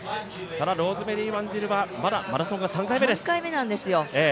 このローズメリー・ワンジルはまだマラソンが３回目です。